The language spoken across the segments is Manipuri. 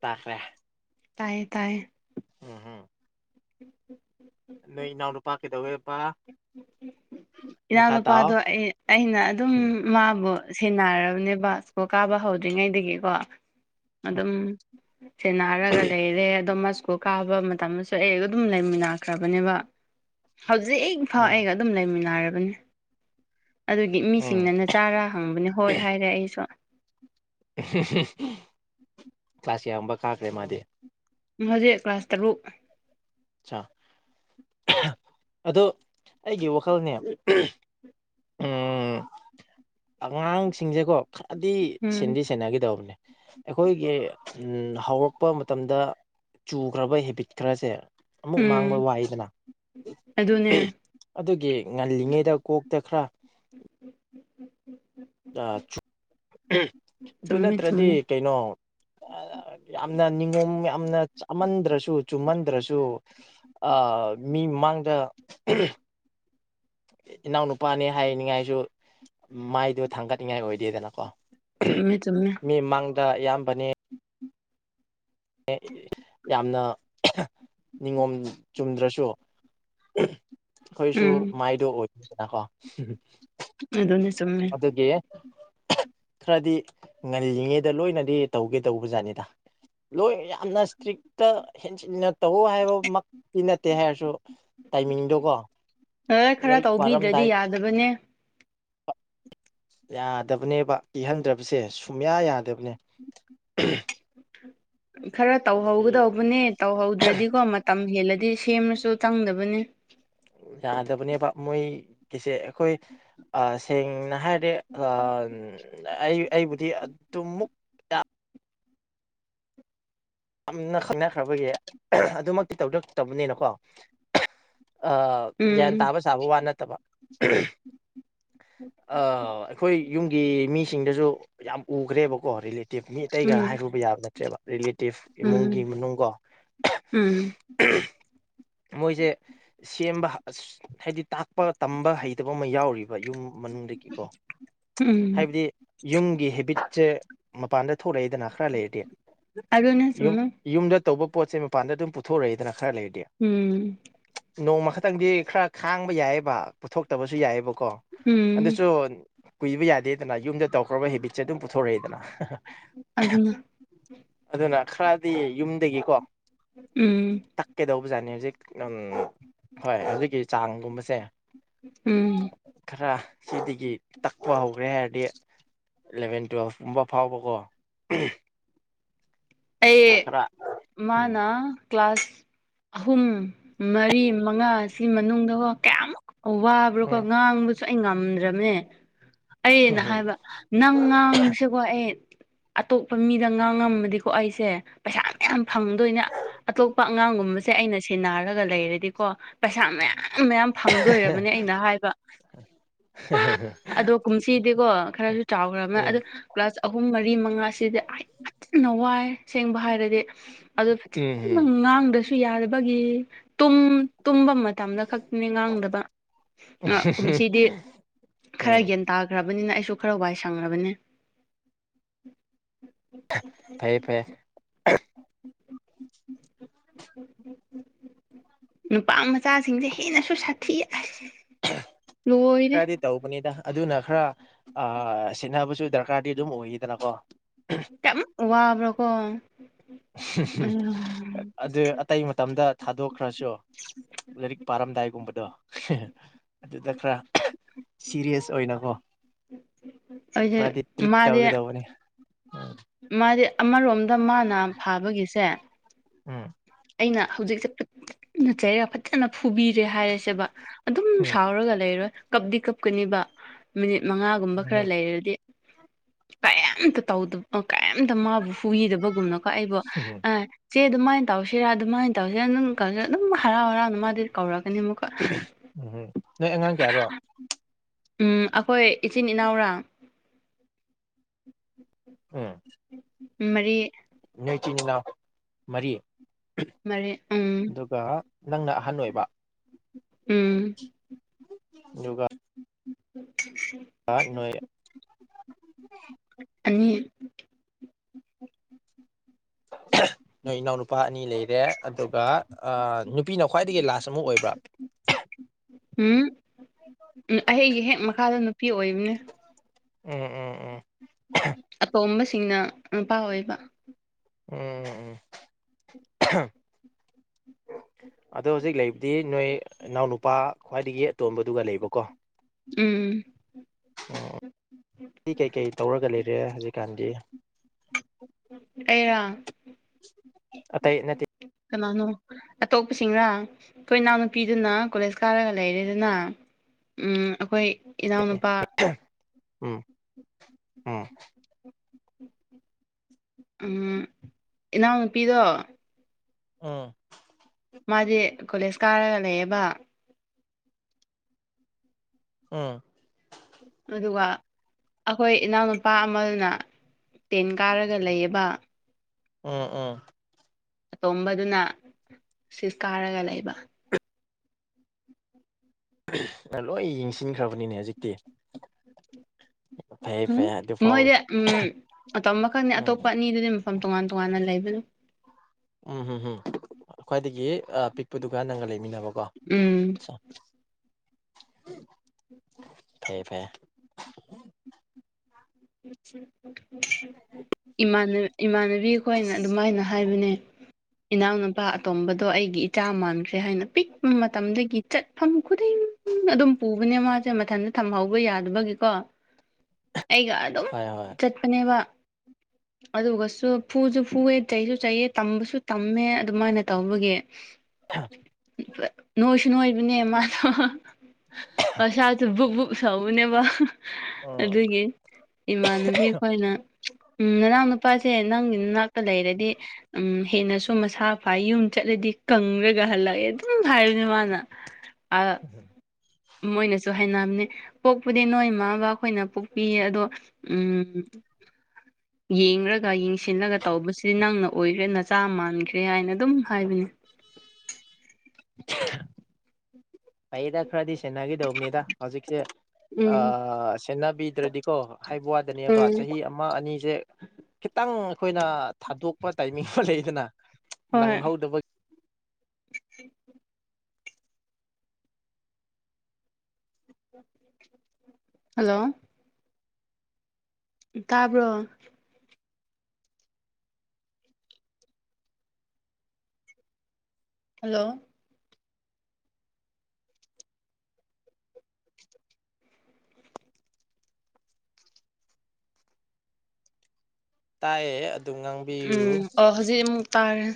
ꯇꯥꯈ꯭ꯔꯦ ꯇꯥꯏꯌꯦ ꯇꯥꯏꯌꯦ ꯎꯝ ꯍꯝ [inaudible] ꯅꯣꯏ ꯏꯅꯥꯎ ꯅꯨꯄꯥ ꯀꯩꯗꯧꯋꯦꯕ ꯏꯌꯥ ꯃꯈꯥ ꯇꯥꯎ ꯅꯨꯄꯥꯗꯣ ꯑꯩ ꯑꯩꯅ ꯑꯗꯨꯝ ꯃꯥꯕꯨ ꯁꯦꯟꯅꯔꯕꯅꯦꯕ ꯏ꯭ꯁꯀꯨꯜ ꯀꯥꯕ ꯍꯧꯗ꯭ꯔꯤꯉꯩꯗꯒꯤꯀꯣ ꯑꯗꯨꯝ ꯁꯅꯥꯔꯒꯥ ꯂꯩꯔꯦ ꯑꯗꯣ ꯃꯁꯨ ꯏ꯭ꯁꯀꯨꯜ ꯀꯥꯕ ꯃꯇꯝꯗꯁꯨ ꯑꯩ ꯑꯗꯨꯝ ꯂꯩꯃꯤꯟꯅꯈ꯭ꯔꯕꯅꯦꯕ ꯍꯧꯖꯤꯛ ꯐꯥꯎ ꯎꯝ ꯑꯩꯒ ꯑꯗꯨꯝ ꯂꯩꯃꯤꯟꯅꯔꯕꯅꯤ ꯑꯗꯨꯒꯤ ꯎꯝ ꯃꯤꯁꯤꯡꯅ ꯅꯆꯥꯔꯥ ꯍꯪꯕꯅꯦ ꯍꯣꯏ ꯍꯥꯏꯔꯦ ꯑꯩꯁꯨ ꯀ꯭ꯂꯥꯁ ꯌꯥꯝꯕ ꯀꯥꯈ꯭ꯔꯦ ꯃꯥꯗꯤ ꯍꯧꯖꯤꯛ ꯀ꯭ꯂꯥꯁ ꯇꯔꯨꯛ ꯑꯆꯥ ꯑꯗꯣ ꯑꯩꯒꯤ ꯋꯥꯈꯜꯅꯦ ꯑꯝ ꯑꯉꯥꯡꯁꯤꯡꯁꯦꯀꯣ ꯈꯔꯗꯤ ꯎꯝ ꯁꯦꯟꯗꯤ ꯁꯦꯟꯅꯒꯗꯧꯕꯅꯦ ꯑꯩꯈꯣꯏꯒꯤ ꯍꯧꯔꯛꯄ ꯃꯇꯝꯗ ꯆꯨꯈ꯭ꯔꯕ ꯍꯦꯕꯤꯠ ꯈꯔꯁꯦ ꯑꯃꯨꯛ ꯃꯥꯡꯕ ꯎꯝ ꯋꯥꯏꯗꯅ ꯑꯗꯨꯅꯦ ꯑꯗꯨꯒꯤ ꯉꯜꯂꯤꯉꯩꯗ ꯀꯣꯛ ꯇ ꯈꯔꯥ ꯑ ꯆꯨ ꯑꯗꯨ ꯆꯨꯝꯃꯦ ꯅꯠꯇ꯭ꯔꯗꯤ ꯆꯨꯝꯃꯦ ꯀꯩꯅꯣ ꯌꯥꯝꯅ ꯅꯤꯉꯣꯝ ꯌꯥꯝꯅ ꯆꯥꯃꯟꯗ꯭ꯔꯁꯨ ꯆꯨꯝꯃꯟꯗ꯭ꯔꯁꯨ ꯑ ꯃꯤ ꯃꯃꯥꯡꯗ ꯏꯅꯥꯎꯅꯨꯄꯥꯅꯦ ꯍꯥꯏꯅꯤꯡꯉꯥꯏꯁꯨ ꯃꯥꯏꯗꯣ ꯊꯥꯡꯒꯠꯅꯤꯡꯉꯥꯏ ꯑꯣꯏꯗꯦꯗꯅꯀꯣ ꯆꯨꯝꯃꯦ ꯆꯨꯝꯃꯦ ꯃꯤ ꯃꯥꯡꯗ ꯏꯌꯥꯝꯕꯅꯦ ꯌꯥꯝꯅ ꯅꯤꯉꯣꯝ ꯆꯨꯝꯗ꯭ꯔꯁꯨ ꯑꯩꯈꯣꯏꯁꯨ ꯎꯝ ꯃꯥꯏꯗꯣ ꯑꯣꯏꯗꯅꯀꯣ ꯑꯗꯨꯅꯦ ꯆꯨꯝꯃꯦ ꯑꯗꯨꯒꯤ ꯈꯔꯗꯤ ꯉꯜꯂꯤꯉꯩꯗ ꯂꯣꯏꯅꯗꯤ ꯇꯧꯒꯦ ꯇꯧꯕꯖꯥꯠꯅꯤꯗ ꯂꯣꯏ ꯌꯥꯝꯅ ꯏꯁꯇ꯭ꯔꯤꯛꯇ ꯍꯦꯟꯖꯤꯟꯅ ꯇꯧꯋꯣ ꯍꯥꯏꯕ ꯃꯛꯇꯤ ꯅꯠꯇꯦ ꯍꯥꯏꯔꯁꯨ ꯇꯥꯏꯃꯤꯡꯗꯣꯀꯣ ꯂꯥꯏꯔꯤꯛ ꯄꯥꯔꯝꯗꯥꯏ ꯗꯕꯅꯦ ꯌꯥꯗꯕꯅꯦꯕ ꯏꯍꯟꯗ꯭ꯔꯕꯁꯦ ꯁꯨꯝꯌꯥ ꯌꯥꯗꯕꯅꯦ [unintelligible] ꯈꯔ ꯇꯧꯍꯧꯒꯗꯧꯕꯅꯦ ꯇꯧꯍꯧꯗ꯭ꯔꯗꯤꯀꯣ ꯃꯇꯝ ꯍꯦꯜꯂꯗꯤ ꯁꯦꯝꯃꯁꯨ ꯆꯪꯗꯕꯅꯦ ꯌꯥꯗꯕꯅꯦꯕ ꯃꯣꯏ ꯀꯤꯁꯦ ꯑꯩꯈꯣꯏ ꯁꯦꯡꯅ ꯍꯥꯏꯔꯦ ꯑ ꯑꯩ ꯑꯩꯕꯨꯗꯤ ꯑꯗꯨꯃꯨꯛ ꯌꯥꯝꯅ ꯈꯪꯅꯈ꯭ꯔꯕꯒꯤ ꯑꯗꯨꯃꯛꯇꯤ ꯇꯧꯔꯛꯇꯕꯅꯤꯅꯀꯣ ꯑ ꯒ꯭ꯌꯥꯟ ꯎꯝ ꯇꯥꯕ ꯁꯥꯥꯕ ꯋꯥ ꯅꯠꯇꯕ ꯑꯝ ꯑ ꯑꯩꯈꯣꯏ ꯌꯨꯝꯒꯤ ꯃꯤꯁꯤꯡꯗꯁꯨ ꯌꯥꯝ ꯎꯈ꯭ꯔꯦꯕꯀꯣ ꯔꯤꯂꯦꯇꯤꯚ ꯃꯤ ꯑꯇꯩꯒ ꯎꯝ ꯍꯥꯏꯔꯨꯕ ꯌꯥꯕ ꯅꯠꯇ꯭ꯔꯦꯕ ꯔꯤꯂꯤꯠ ꯏꯃꯨꯡꯒꯤ ꯎꯝ ꯃꯅꯨꯡꯀꯣ ꯎꯝ [unintelligible] ꯃꯣꯏꯁꯦ ꯁꯦꯝꯕ ꯑꯁ ꯍꯥꯏꯗꯤ ꯇꯥꯛꯄ ꯇꯝꯕ ꯍꯩꯇꯕ ꯑꯃ ꯌꯥꯎꯔꯤꯕ ꯌꯨꯝ ꯃꯅꯨꯡꯗꯒꯤꯀꯣ ꯎꯝ ꯍꯥꯏꯕꯗꯤ ꯌꯨꯝꯒꯤ ꯍꯦꯕꯤꯠꯁꯦ ꯃꯄꯥꯟꯗ ꯊꯣꯛꯂꯛꯏꯗꯅ ꯈꯔ ꯂꯩꯔꯗꯤ ꯑꯗꯨꯅꯦ ꯌꯨꯝ ꯆꯨꯝꯃꯦ ꯌꯨꯝꯗ ꯇꯧꯕ ꯄꯣꯠꯁꯦ ꯃꯄꯥꯟꯗ ꯑꯗꯨꯝ ꯄꯨꯊꯣꯔꯛꯏꯗꯅ ꯈꯔ ꯂꯩꯔꯗꯤ ꯎꯝ ꯅꯣꯡꯃ ꯈꯠꯇꯪꯗꯤ ꯈꯔ ꯈꯥꯡꯕ ꯌꯥꯏꯑꯕ ꯄꯨꯊꯣꯛꯇꯕꯁꯨ ꯌꯥꯏꯑꯕꯀꯣ ꯎꯝ ꯑꯗꯨꯁꯨ ꯀꯨꯏꯕ ꯌꯥꯗꯦꯗꯅ ꯌꯨꯝꯗ ꯇꯧꯈ꯭ꯔꯕ ꯍꯦꯕꯤꯠꯁꯦ ꯑꯗꯨꯝ ꯄꯨꯊꯣꯔꯛꯑꯦꯗꯅ ꯑꯗꯨꯅ [unintelligible] ꯑꯗꯨꯅ ꯈ꯭ꯔꯥꯗꯤ ꯌꯨꯝꯗꯒꯤꯀꯣ ꯎꯝ ꯇꯛꯀꯦꯗꯧꯕꯖꯥꯠꯅꯤ ꯍꯧꯖꯤꯛ ꯑꯝ ꯍꯣꯏ ꯍꯧꯖꯤꯛꯀꯤ ꯆꯥꯡꯒꯨꯝꯕꯁꯦ ꯎꯝ ꯈꯔ ꯁꯤꯗꯒꯤ ꯇꯛꯄ ꯍꯧꯒ꯭ꯔꯦ ꯍꯥꯏꯔꯗꯤ ꯏꯂꯚꯦꯟ ꯇꯨꯌꯦꯜꯐꯒꯨꯝꯕ ꯐꯥꯎꯕꯀꯣ ꯑꯩ ꯈꯔ ꯎꯝ ꯃꯥꯅ ꯀ꯭ꯂꯥꯁ ꯑꯍꯨꯝ ꯃꯔꯤ ꯃꯉꯥꯁꯤ ꯃꯅꯨꯡꯗꯀ ꯀꯌꯥꯃꯨꯛ ꯋꯥꯕ ꯕ꯭ꯔꯣꯀꯣ ꯎꯝ ꯉꯥꯡꯕꯁꯨ ꯑꯩ ꯉꯝꯗ꯭ꯔꯃꯦ ꯑꯩꯅ ꯎꯝ ꯍꯥꯏꯕ ꯅꯪ ꯉꯥꯡꯕꯁꯦꯀꯣ ꯑꯩ ꯑꯇꯣꯞꯄ ꯃꯤꯗ ꯉꯥꯡꯉꯝꯃꯗꯤ ꯀꯣ ꯑꯩꯁꯦ ꯄꯩꯁꯥ ꯃꯌꯥꯝ ꯐꯪꯗꯣꯏꯅꯦ ꯑꯇꯣꯞꯄ ꯑꯉꯥꯡꯒꯨꯝꯕꯁꯦ ꯑꯩꯅ ꯁꯦꯟꯅꯔꯒ ꯂꯩꯔꯗꯤꯀꯣ ꯄꯩꯁꯥ ꯃꯌꯥꯝ ꯃꯌꯥꯝ ꯃꯌꯥꯝ ꯐꯪꯗꯣꯏꯔꯕꯅꯦ ꯑꯩꯅ ꯍꯥꯏꯕ ꯑꯗꯣ ꯀꯨꯝꯁꯤꯗꯤꯀꯣ ꯈꯔꯁꯨ ꯆꯥꯎꯈ꯭ꯔꯃꯦ ꯑꯗꯣ ꯎꯝ ꯀ꯭ꯂꯥꯁ ꯑꯍꯨꯝ ꯃꯔꯤ ꯃꯉꯥꯁꯤꯗꯤ ꯑꯥꯏ ꯐꯠꯖꯅ ꯋꯥꯏ ꯁꯦꯡꯕ ꯍꯥꯏꯔꯗꯤ ꯑꯗꯨ [unintelligible] ꯐꯖꯅ ꯎꯝ ꯉꯥꯡꯗ꯭ꯔꯁꯨ ꯌꯥꯗꯕꯒꯤ ꯇꯨꯝ ꯇꯨꯝꯕ ꯃꯇꯝꯗ ꯈꯛꯇꯅꯤ ꯉꯥꯡꯗꯕ ꯎꯝ ꯀꯨꯝꯁꯤꯗꯤ ꯈꯔ ꯎꯝ ꯌꯥꯟ ꯇꯥꯈ꯭ꯔꯕꯅꯤꯅ ꯑꯩꯁꯨ ꯈꯔ ꯋꯥꯏ ꯁꯪꯔꯕꯅꯦ ꯐꯌꯦ ꯐꯌꯦ [inaudible] ꯅꯨꯄꯥ ꯃꯆꯥꯁꯤꯡꯁꯦ ꯍꯦꯟꯅꯁꯨ ꯁꯥꯊꯤꯌꯦ ꯑꯁ ꯂꯣꯏꯔꯦ ꯈꯔꯗꯤ ꯇꯧꯕꯅꯤꯗ ꯑꯗꯨꯅ ꯈꯔ ꯑ ꯁꯦꯠꯅꯕꯁꯨ ꯗꯔꯀꯥꯔꯗꯤ ꯑꯗꯨꯝ ꯑꯣꯏꯌꯦꯗꯅꯀꯣ ꯇꯝ ꯋꯥꯕ꯭ꯔꯀꯣ [unintelligible] ꯑꯗꯨ ꯑ ꯇꯩ ꯃꯇꯝꯗ ꯊꯥꯗꯣꯛꯈ꯭ꯔꯁꯨ ꯂꯥꯏꯔꯤꯛ ꯄꯥꯔꯝꯗꯥꯏꯒꯨꯝꯕꯗꯣ ꯍꯦꯍꯦ ꯑꯗꯨꯗ ꯈꯔ ꯁꯤꯔꯤꯌꯁ ꯑꯣꯏꯅꯀꯣ ꯑꯩꯗꯤ ꯄꯗꯤ ꯇ꯭ꯔꯤꯠ ꯃꯥꯗꯤ ꯇꯧꯒꯗꯧꯕꯅꯤ ꯃꯥꯗꯤ ꯑꯃꯔꯣꯝꯗ ꯃꯥꯅ ꯐꯥꯕꯒꯤꯁꯦ ꯑꯝ ꯑꯩꯅ ꯍꯧꯖꯤꯛꯁꯦ ꯐꯅ ꯆꯩꯩꯔꯒ ꯐꯖꯅ ꯐꯨꯕꯤꯔꯦ ꯍꯥꯏꯔꯁꯦꯕ ꯑꯗꯨꯝ ꯎꯝ ꯁꯥꯎꯔꯒ ꯂꯩꯔꯣꯏ ꯀꯞꯗꯤ ꯀꯞꯀꯅꯤꯕ ꯃꯤꯅꯤꯠ ꯃꯉꯥꯒꯨꯝꯕ ꯎꯝ ꯈꯔ ꯂꯩꯔꯗꯤ ꯀꯔꯤꯝꯇ ꯇꯧꯗ ꯀꯔꯤꯝꯇ ꯃꯥꯕꯨ ꯍꯨꯈꯤꯗꯕꯒꯨꯝꯅꯀꯣ ꯑꯩꯕꯨ ꯎꯝ ꯑ ꯆꯦ ꯑꯗꯨꯃꯥꯏꯅ ꯇꯧꯁꯤꯔꯥ ꯑꯗꯨꯃꯥꯏꯅ ꯇꯧꯁꯤꯔ ꯑꯗꯨꯝꯔ ꯑꯗꯨꯝ ꯍꯔꯥꯎ ꯍꯔꯥꯎꯅ ꯃꯥꯗꯤ ꯀꯧꯔꯛꯀꯅꯤ ꯑꯃꯨꯛ ꯎꯝꯝ ꯅꯣꯏ ꯑꯉꯥꯡ ꯀꯌꯥꯔꯣ ꯎꯝ ꯑꯩꯈꯣꯏ ꯏꯆꯤꯟ ꯏꯅꯥꯎꯔ ꯎꯝ ꯃꯔꯤ ꯅꯣꯏꯆꯤꯟ ꯏꯅꯥꯎ ꯃꯔꯤ ꯃꯔꯤ ꯎꯝ ꯑꯗꯨꯒ ꯅꯪꯅ ꯑꯍꯟ ꯑꯣꯏꯕ ꯎꯝ ꯗꯨꯒꯥ [unintelligible] [inaudible] ꯑꯥ ꯅꯣꯏ [inaudible] ꯑꯅꯤ ꯅꯣꯏ ꯏꯅꯥꯎꯅꯨꯄꯥ ꯑꯅꯤ ꯂꯩꯔꯦ ꯑꯗꯨꯒ ꯅꯨꯄꯤꯅ ꯈ꯭ꯋꯥꯏꯗꯒꯤ ꯂꯥꯁ ꯑꯃꯛ ꯑꯣꯏꯕ꯭ꯔꯥ ꯎꯝ ꯎꯝ ꯑꯩꯒꯤ ꯍꯦꯛ ꯃꯈꯥꯗ ꯅꯨꯄꯤ ꯑꯣꯏꯕꯅꯦ ꯎꯝ ꯎꯝ ꯎꯝ ꯑꯄꯣꯝꯕꯁꯤꯡꯅ ꯅꯨꯄꯥ ꯑꯣꯏꯕ ꯎꯝ ꯎꯝ ꯑꯗꯣ ꯍꯧꯖꯤꯛ ꯂꯩꯕꯗꯤ ꯅꯣꯏ ꯏꯅꯥꯎꯅꯨꯄꯥ ꯈ꯭ꯋꯥꯏꯗꯒꯤ ꯑꯇꯣꯟꯕꯗꯨꯒ ꯂꯩꯕꯀꯣ ꯎꯝ ꯑꯣ ꯁꯤ ꯀꯩꯀꯩ ꯇꯧꯔꯒ ꯂꯩꯔꯦ ꯍꯧꯖꯤꯛꯀꯥꯟꯗꯤ ꯑꯩꯩꯔꯣ ꯑꯇꯩ ꯅꯠꯇꯦ ꯀꯅꯥꯅꯣ ꯑꯇꯣꯞꯄꯁꯤꯡꯔ ꯑꯩꯈꯣꯏ ꯏꯅꯥꯎꯅꯨꯄꯤꯗꯨꯅ ꯀꯣꯂꯦꯖ ꯀꯥꯔꯒ ꯂꯩꯔꯦꯗꯅ ꯎꯝ ꯑꯩꯈꯣꯏ ꯏꯅꯥꯎꯅꯨꯄꯥ ꯎꯝ ꯎꯝ ꯎꯝ ꯏꯅꯥꯎꯅꯨꯄꯤꯗꯣ ꯑꯥ ꯃꯥꯗꯤ ꯀꯣꯂꯦꯖ ꯀꯥꯔꯒ ꯂꯩꯌꯦꯕ ꯎꯝ ꯑꯗꯨꯒ ꯑꯩꯈꯣꯏ ꯏꯅꯥꯎꯅꯨꯄꯥ ꯑꯃꯅ ꯇꯦꯟ ꯀꯥꯔꯒ ꯂꯩꯌꯦꯕ ꯎꯝ ꯎꯝ ꯑꯇꯣꯝꯕꯗꯨꯅ ꯁꯤꯁ ꯀꯥꯔꯒ ꯂꯩꯕ ꯂꯣꯏ ꯌꯦꯡꯁꯤꯟꯈ꯭ꯔꯕꯅꯤꯅꯦ ꯍꯧꯖꯤꯛꯇꯤ ꯐꯩ ꯑꯝ ꯐꯩ ꯑꯗꯨ ꯐꯥꯎꯋꯤ ꯃꯣꯏꯗꯤ ꯎꯝ ꯑꯇꯣ ꯑꯃꯈꯛꯅꯤ ꯎꯝ ꯑꯇꯣꯞꯄ ꯑꯅꯤꯗꯨꯗꯤ ꯃꯐꯝ ꯇꯣꯉꯥꯟ ꯇꯣꯉꯥꯟꯅ ꯂꯩꯕꯅꯦ ꯎꯝ ꯎꯝ ꯎꯝ ꯈ꯭ꯋꯥꯏꯗꯒꯤ ꯄꯤꯛꯄꯗꯨꯒ ꯅꯪꯒ ꯂꯩꯃꯤꯟꯅꯕꯀꯣ ꯎꯝ ꯐꯩꯌꯦ ꯐꯩꯌꯦ ꯏꯃꯥꯟꯅ ꯏꯃꯥꯟꯅ ꯕꯤꯈꯣꯅ ꯑꯗꯨꯃꯥꯏꯅ ꯍꯥꯏꯕꯅꯦ ꯏꯅꯥꯎꯅꯨꯄꯥ ꯑꯇꯣꯝꯕꯗꯣ ꯑꯩꯒꯤ ꯏꯆꯥ ꯃꯥꯟꯈ꯭ꯔꯦ ꯍꯥꯏꯅ ꯄꯤꯛꯄ ꯃꯇꯝꯗꯒꯤ ꯆꯠꯐꯝ ꯈꯨꯗꯤꯡ ꯎ ꯑꯗꯨꯝ ꯄꯨꯕꯅꯦ ꯃꯥꯁꯦ ꯃꯊꯟꯇ ꯊꯝꯍꯧꯕ ꯌꯥꯗꯕꯒꯤꯀꯣ [inaudible] ꯑꯩꯒ ꯍꯣꯏ ꯍꯣꯏ ꯆꯠꯄꯤꯅꯦꯕ [inaudible] ꯑꯗꯨꯒꯁꯨ ꯐꯨꯁꯨ ꯐꯨꯑꯦ ꯆꯩꯁꯨ ꯆꯩꯌꯦ ꯇꯝꯕꯁꯨ ꯇꯝꯃꯦ ꯑꯗꯨꯃꯥꯏꯅ ꯇꯧꯕꯒꯤ ꯅꯣꯏꯁꯨ ꯅꯣꯏꯕꯅꯦ ꯃꯥꯗꯣ ꯃꯁꯥꯁꯨ ꯕꯨꯞ ꯕꯨꯞ ꯂꯥꯎꯕꯅꯦꯕ ꯑꯣ ꯑꯗꯨꯒꯤ ꯏꯃꯥꯟꯅꯕꯤꯈꯣꯏꯅ ꯎꯝ ꯅꯅꯥꯎ ꯅꯨꯄꯥꯁꯦ ꯅꯪꯒꯤ ꯅꯅꯥꯛꯇ ꯂꯩꯔꯗꯤ ꯎꯝ ꯍꯦꯟꯅꯁꯨ ꯃꯁꯥ ꯐꯏ ꯌꯨꯝ ꯆꯠꯂꯗꯤ ꯀꯪꯔꯒ ꯍꯜꯂꯛꯑꯦ ꯑꯗꯨꯝ ꯍꯥꯏꯕꯅꯦ ꯃꯥꯅ ꯑꯥ ꯎꯝ ꯃꯣꯏꯅꯁꯨ ꯍꯥꯏꯅꯝꯅꯦ ꯄꯣꯛꯄꯗꯤ ꯅꯣꯏ ꯃꯥ ꯕꯥ ꯈꯣꯏꯅ ꯄꯣꯛꯄꯤꯌꯦ ꯑꯗꯣ ꯎꯝ ꯌꯦꯡꯔꯒ ꯌꯦꯡ ꯁꯤꯜꯂꯒ ꯇꯧꯕꯁꯤꯗꯤ ꯅꯪꯅ ꯑꯣꯏꯈ꯭ꯔꯦ ꯅꯆꯥ ꯃꯥꯟꯈ꯭ꯔꯦ ꯍꯥꯏꯅ ꯑꯗꯨꯝ ꯍꯥꯏꯕꯅꯦ [unintelligible] ꯐꯩꯌꯦꯗ ꯈꯔꯗꯤ ꯁꯦꯟꯅꯈꯤꯗꯧꯕꯅꯤꯗ ꯍꯧꯖꯤꯛꯁꯦ ꯎꯝ ꯁꯦꯟꯅꯕꯤꯗ꯭ꯔꯗꯤꯀꯣ ꯍꯥꯏꯕ ꯋꯥꯗꯅꯦꯕ ꯎꯝ ꯆꯍꯤ ꯑꯃ ꯑꯅꯤꯁꯦ ꯈꯤꯇꯪ ꯑꯩꯈꯣꯏꯅ ꯊꯥꯗꯣꯛꯄ ꯇꯥꯏꯃꯤꯡ ꯑꯃ ꯂꯩꯗꯅ ꯅꯪ ꯍꯣꯏ ꯍꯧꯗꯕ ꯍꯜꯂꯣ ꯇꯥꯕ꯭ꯔꯣ ꯍꯜꯂꯣ ꯇꯥꯏꯌꯦ ꯑꯗꯨꯝ ꯎꯝ ꯉꯥꯡꯕꯤꯌꯨ ꯑꯣ ꯍꯧꯖꯤꯛ ꯑꯃꯨꯛ ꯇꯥꯔꯦ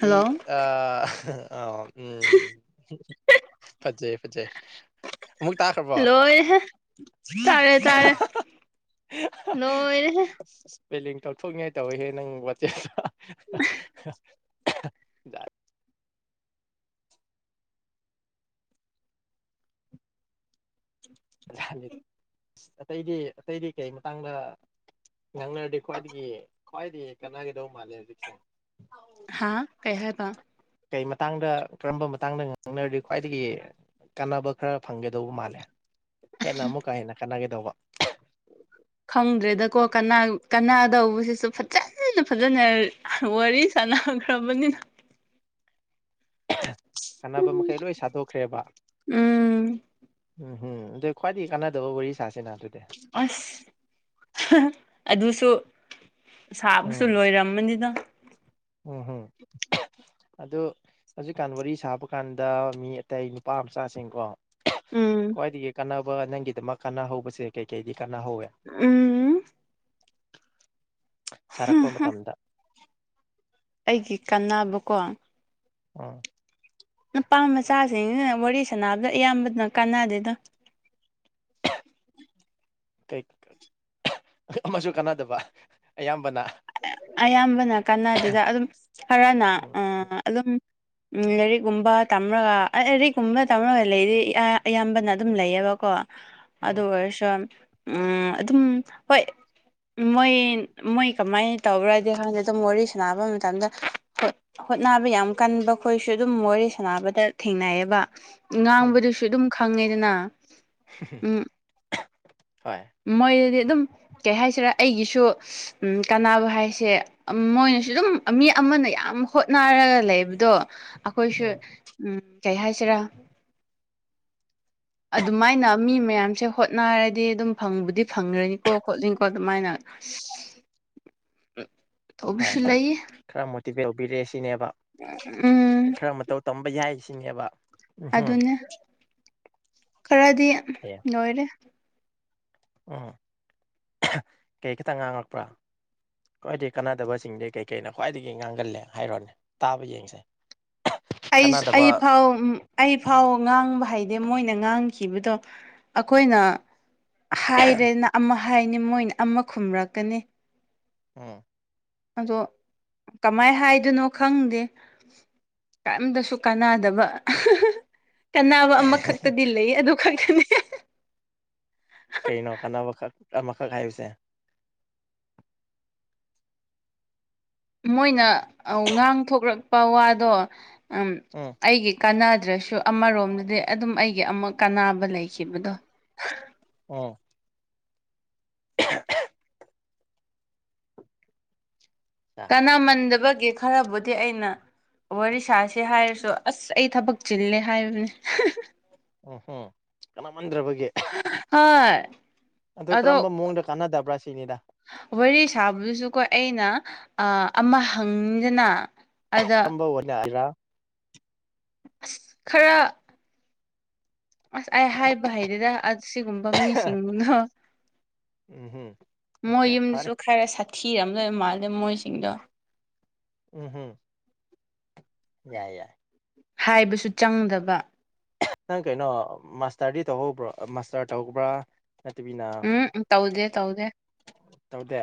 ꯇꯤ ꯍꯜꯂꯣ ꯑꯥꯍꯥ ꯑꯥ ꯎꯝ ꯐꯖꯩ ꯐꯖꯩ ꯑꯃꯨꯛ ꯇꯥꯈ꯭ꯔꯕꯣ ꯦ ꯇꯔꯦ ꯇꯔꯦ ꯅꯣꯡꯔꯦ ꯍꯦ ꯄꯦꯂꯤꯡ ꯇꯧꯊꯣꯛꯅꯤꯡꯉꯥꯏ ꯇꯧꯋꯍꯦ ꯅꯪ ꯋꯥꯆꯦꯞꯇ ꯖꯥꯠ ꯖ ꯑꯁ ꯑꯇꯩꯗꯤ ꯑꯇꯩꯗꯤ ꯀꯩ ꯃꯇꯥꯡꯗ ꯉꯪꯅꯔꯗꯤ ꯈ꯭ꯋꯥꯏꯗꯒꯤ ꯈ꯭ꯋꯥꯏꯗꯒꯤ ꯀꯥꯟꯅꯒꯗꯧꯕ ꯃꯥꯜꯂꯦ ꯍꯧꯖꯤꯛꯁꯦ ꯍꯥꯥ ꯀꯌꯥ ꯇ ꯀꯩ ꯃꯇꯥꯡꯗ ꯀꯔꯝꯕ ꯃꯇꯥꯡꯗ ꯉꯥꯡꯅꯔꯗꯤ ꯈ꯭ꯋꯥꯏꯗꯒꯤ ꯀꯥꯟꯅꯕ ꯈꯔ ꯐꯪꯒꯗꯧꯕ ꯃꯥꯜꯂꯦ ꯍꯦꯟꯅ ꯑꯃꯨꯛꯀ ꯍꯦꯟꯅ ꯀꯥꯟꯅꯒꯗꯧꯕ ꯈꯪꯗ꯭ꯔꯦꯗꯀꯣ ꯀꯅꯥ ꯀꯅꯥꯗꯧꯕꯁꯤꯁꯨ ꯐꯖꯅ ꯐꯖꯅ ꯋꯥꯔꯤ ꯁꯥꯅꯈ꯭ꯔꯕꯅꯤ ꯀꯥꯟꯅꯕ ꯃꯈꯩ ꯂꯣꯏ ꯁꯥꯗꯣꯛꯈ꯭ꯔꯦꯕ ꯎꯝ ꯎꯝ ꯍꯝ ꯑꯗꯨꯗ ꯈ꯭ꯋꯥꯏꯗꯒꯤ ꯀꯥꯟꯅꯗꯕ ꯋꯥꯔꯤ ꯁꯥꯁꯤꯅ ꯍꯧꯖꯤꯛ ꯑꯁ ꯑꯗꯨꯁꯨ ꯁꯥꯕꯁꯨ ꯎꯝ ꯂꯣꯏꯔꯝꯃꯅꯤꯗ ꯎꯝ ꯍꯝ ꯑ ꯍꯧꯖꯤꯛꯀꯥꯟ ꯋꯥꯔꯤ ꯁꯥꯕ ꯀꯥꯟꯗ ꯃꯤ ꯑꯇꯩ ꯅꯨꯄꯥ ꯃꯆꯥꯁꯤꯡꯀꯣ ꯎꯝ ꯈ꯭ꯋꯥꯏꯗꯒꯤ ꯀꯥꯟꯅꯕ ꯅꯪꯒꯤꯗꯃꯛ ꯀꯥꯟꯅꯍꯧꯕꯁꯦ ꯀꯩꯀꯩꯗꯤ ꯀꯥꯟꯅꯍꯧꯋꯦ ꯎꯝ ꯁꯥꯔꯛꯄ ꯃꯇꯝꯗ ꯑꯩꯒꯤ ꯀꯥꯟꯅꯕꯀꯣ ꯎꯝ ꯅꯄꯥꯝ ꯃꯆꯥꯁꯤꯡꯁꯤꯅ ꯋꯥꯔꯤ ꯁꯥꯟꯅꯕꯗ ꯑꯌꯥꯝꯕꯅ ꯀꯥꯟꯅꯗꯦꯗ ꯑꯃꯁꯨ ꯀꯥꯟꯅꯗꯕ ꯑꯌꯥꯝꯕꯅ ꯑꯌꯥꯝꯕꯅ ꯀꯥꯟꯅꯗꯨꯗ ꯑꯗꯨꯝ ꯈꯔꯅ ꯎꯝ ꯑꯗꯨꯝ ꯎ ꯂꯥꯏꯔꯤꯛꯀꯨꯝꯕ ꯇꯝꯃꯔꯒ ꯂꯥꯏꯔꯤꯛꯀꯨꯝꯕ ꯇꯝꯃꯔꯒ ꯂꯩꯗꯤ ꯑꯌꯥꯝꯕꯅ ꯑꯗꯨꯝ ꯂꯩꯌꯦꯕ ꯀꯣ ꯑꯗꯨ ꯎꯝ ꯑꯣꯏꯔꯁꯨ ꯎꯝ ꯑꯗꯨꯝ ꯍꯣꯏ ꯃꯣꯏ ꯃꯣꯏ ꯀꯃꯥꯏꯅ ꯇꯧꯕ꯭ꯔꯗꯤ ꯍꯥꯟꯅ ꯑꯗꯨꯝ ꯋꯥꯔꯤ ꯁꯥꯟꯅꯕ ꯃꯇꯝꯗ ꯍꯣꯏ ꯍꯣꯠꯅꯕ ꯌꯥꯝ ꯀꯟꯕ ꯑꯩꯈꯣꯏꯁꯨ ꯑꯗꯨꯝ ꯃꯦ ꯁꯥꯟꯅꯕꯗ ꯊꯦꯡꯅꯩꯌꯦꯕ ꯍꯝ ꯉꯥꯡꯕꯗꯨꯁꯨ ꯑꯗꯨꯝ ꯈꯪꯉꯦꯗꯅ ꯎꯝ ꯍꯣꯏ ꯃꯣꯏꯗꯗꯤ ꯑꯗꯨꯝ ꯀꯩ ꯍꯥꯏꯁꯤꯔꯥ ꯑꯩꯒꯤꯁꯨ ꯀꯥꯟꯅꯕ ꯍꯥꯏꯁꯦ ꯃꯣꯏꯅꯁꯨ ꯑꯗꯨꯝ ꯃꯤ ꯑꯃꯅ ꯌꯥꯝ ꯍꯣꯠꯅꯔꯒ ꯂꯩꯕꯗꯣ ꯑꯩꯈꯣꯏꯁꯨ ꯎꯝ ꯎꯝ ꯀꯩ ꯍꯥꯏꯁꯤꯔꯥ ꯑꯗꯨꯃꯥꯏꯅ ꯃꯤ ꯃꯌꯥꯝꯁꯦ ꯍꯣꯠꯅꯔꯗꯤ ꯑꯗꯨꯝ ꯐꯪꯕꯨꯗꯤ ꯐꯪꯈ꯭ꯔꯅꯤꯀꯣ ꯈꯣꯠꯂꯤꯅꯤꯀꯣ ꯑꯗꯨꯃꯥꯏꯅ [unintelligible] [inaudible] ꯍꯣꯏ ꯇꯧꯕꯁꯨ ꯂꯩꯌꯦ ꯈꯔ ꯃꯣꯇꯤꯚꯦꯠ ꯇꯧꯕꯤꯔꯛꯑꯦ ꯁꯤꯅꯦꯕ ꯎꯝ ꯈꯔ ꯃꯇꯧ ꯇꯝꯕ ꯌꯥꯏ ꯁꯤꯅꯦꯕ ꯎꯝꯍꯨꯝ ꯑꯗꯨꯅꯦ ꯈꯔꯗꯤ ꯐꯩꯌꯦ ꯂꯣꯏꯔꯦ ꯎꯝ ꯀꯩ ꯈꯤꯇꯪ ꯉꯥꯡꯉꯛꯄ꯭ꯔꯥ ꯈ꯭ꯋꯥꯏꯗꯒꯤ ꯀꯥꯟꯅꯗꯕꯁꯤꯡꯗꯤ ꯀꯩꯀꯩꯅ ꯈ꯭ꯋꯥꯏꯗꯒꯤ ꯉꯥꯡꯒꯜꯂꯦ ꯍꯥꯏꯔꯣꯅꯦ ꯇꯥꯕ ꯌꯦꯡꯁꯦ ꯑꯩ ꯀꯥꯟꯅꯗꯕ ꯑꯩ ꯐꯥꯎ ꯑꯩ ꯎꯝ ꯐꯥꯎ ꯉꯥꯡꯕ ꯍꯥꯏꯗꯤ ꯃꯣꯏꯅ ꯉꯥꯡꯈꯤꯕꯗꯣ ꯑꯩꯈꯣꯏꯅ ꯍꯥꯏꯔꯦꯅ ꯑꯃ ꯍꯥꯏꯅꯤ ꯃꯣꯏꯅ ꯑꯃ ꯈꯨꯝꯔꯛꯀꯅꯤ ꯎꯝ ꯑꯗꯣ ꯀꯃꯥꯏ ꯍꯥꯏꯗꯣꯏꯅꯣ ꯈꯪꯗꯦ ꯀꯔꯤꯝꯇꯁꯨ ꯀꯥꯟꯅꯗꯕ ꯀꯥꯟꯅꯕ ꯑꯃꯈꯛꯇꯗꯤ ꯂꯩ ꯑꯗꯨ ꯈꯛꯇꯅꯤ ꯀꯩꯅꯣ ꯀꯥꯟꯅꯕꯈꯛ ꯑꯃꯈꯛ ꯍꯥꯏꯕꯁꯦ ꯃꯣꯏꯅ ꯉꯥꯡꯊꯣꯂꯛꯄ ꯋꯥꯗꯣ ꯎꯝ ꯑꯩꯒꯤ ꯀꯥꯟꯅꯗ꯭ꯔꯁꯨ ꯑꯃꯔꯣꯝꯗꯗꯤ ꯑꯗꯨꯝ ꯑꯩꯒꯤ ꯑꯃꯨꯛ ꯀꯥꯟꯅꯕ ꯂꯩꯈꯤꯕꯗꯣ ꯑꯣ ꯍ [unintelligible] ꯅꯥꯝꯃꯟꯗꯕꯒꯤ ꯈꯔꯕꯨꯗꯤ ꯑꯩꯅ ꯋꯥꯔꯤ ꯁꯥꯥꯁꯦ ꯍꯥꯏꯔꯁꯨ ꯑꯁ ꯑꯩ ꯊꯕꯛ ꯆꯤꯜꯂꯦ ꯍꯥꯏꯕꯅꯤ ꯎꯝ ꯍꯝ ꯀꯅꯥꯃꯟꯗ꯭ꯔꯕꯒꯦ ꯍꯣꯏ ꯑꯘꯨ ꯑꯗꯣ ꯀꯔꯝꯕ ꯃꯑꯣꯡꯗ ꯀꯥꯟꯅꯗꯕ꯭ꯔꯥ ꯁꯤꯅꯤꯗ ꯋꯥꯔꯤ ꯁꯥꯕꯗꯨꯁꯨꯀꯣ ꯑꯩꯅ ꯑꯃ ꯍꯪꯅꯤꯗꯅ ꯑꯗ ꯅꯦ ꯍꯥꯏ꯭ꯔꯥ [unintelligible] ꯑꯁ ꯈꯔ ꯑꯁ ꯑꯩ ꯍꯥꯏꯕ ꯍꯩꯇꯦꯘ ꯑꯁ ꯁꯤꯈꯨꯝꯕꯥ ꯃꯤꯁꯤꯡꯘꯣꯗꯨꯅꯣ ꯎꯝ ꯍꯨꯝ ꯃꯣꯏ ꯌꯨꯝꯗꯨꯁꯨ ꯈꯔ ꯁꯥꯊꯤꯔꯝ ꯘꯧ ꯃꯥꯜꯂꯦ ꯃꯣꯏꯁꯤꯡꯗꯣ ꯎꯝ ꯍꯨꯝ ꯌꯥꯏ ꯌꯥꯏ ꯍꯥꯏꯕꯁꯨ ꯆꯪꯗꯕ ꯅꯪ ꯀꯩꯅꯣ ꯃꯥꯁꯇꯔꯗꯤ ꯇꯧꯍꯧꯕ꯭ꯔꯣ ꯃꯥꯁꯇꯔ ꯇꯧꯕ꯭ꯔꯥ ꯅꯠꯇꯕꯤꯅꯥ ꯎꯝ ꯇꯧꯗꯦ ꯇꯧꯗꯦ ꯇꯧꯗꯦ